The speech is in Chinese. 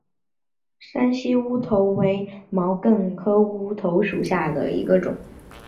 山西乌头为毛茛科乌头属下的一个种。